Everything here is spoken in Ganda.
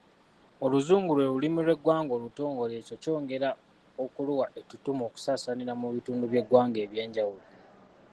Oluzungu lwe lulimi lwe ggwanga olutongole ekyo kyongera okuluwa ettuttumu okusaasaanira mu bitundu by'eggwanga eby'enjawulo.